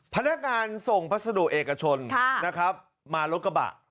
พนักงานส่งพัสดุเอกชนนะครับมารถกระบะ